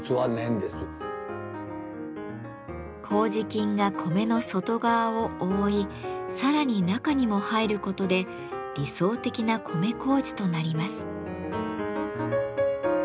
麹菌が米の外側を覆いさらに中にも入ることで理想的な米麹となります。